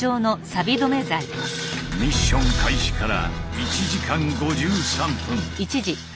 ミッション開始から１時間５３分。